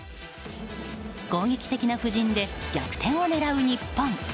攻撃的な布陣で逆転を狙う日本。